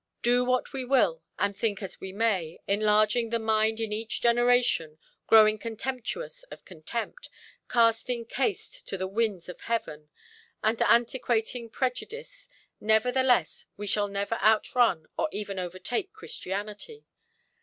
Do what we will, and think as we may, enlarging the mind in each generation, growing contemptuous of contempt, casting caste to the winds of heaven, and antiquating prejudice, nevertheless we shall never outrun, or even overtake Christianity.